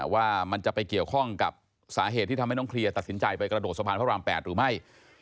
ว่ามันจะไปเกี่ยวข้องกับสาเหตุที่ทำให้น้องเคลียร์ตัดสินใจไปกระโดดสะพานพระราม๘หรือไม่